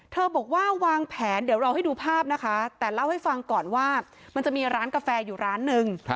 บอกว่าวางแผนเดี๋ยวเราให้ดูภาพนะคะแต่เล่าให้ฟังก่อนว่ามันจะมีร้านกาแฟอยู่ร้านนึง